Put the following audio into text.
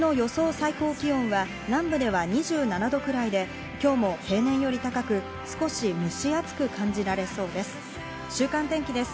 最高気温は南部では２７度くらいで、今日も平年より高く、少し蒸し暑く感じられそうです。